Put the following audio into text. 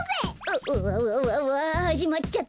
わっわっわっはじまっちゃった。